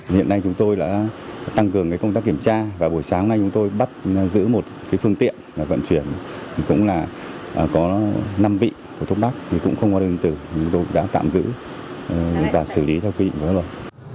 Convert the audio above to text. hiện nay chúng tôi đã tăng cường công tác kiểm tra và buổi sáng nay chúng tôi bắt giữ một phương tiện vận chuyển cũng là có năm vị của thuốc bắc cũng không có đường tử chúng tôi đã tạm giữ và xử lý theo kỷ niệm của nó rồi